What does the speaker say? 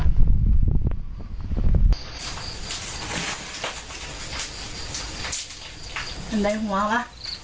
เป็นไงหัววะ